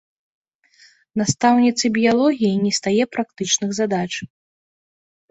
Настаўніцы біялогіі не стае практычных задач.